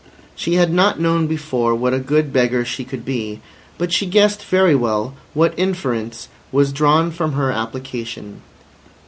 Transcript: She had not known before what a good beggar she could be. But she guessed very well what inference was drawn from her application.